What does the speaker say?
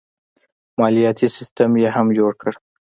مالیاتي سیستم یې هم جوړ کړ.